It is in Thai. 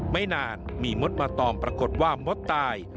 ไม่นานมีมดมาตอมปรากฏว่ามดตาย